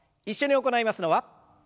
一緒に行いますのは。